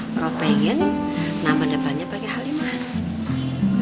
propagand nama depannya pakai haliman